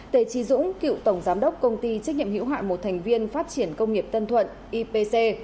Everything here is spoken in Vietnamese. t t dũng cựu tổng giám đốc công ty trách nhiệm hữu hại một thành viên phát triển công nghiệp tân thuận ipc